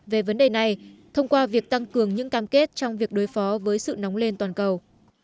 về vấn đề này thông qua việc tăng cường những cam kết trong việc đối phó với sự nóng lên toàn cầu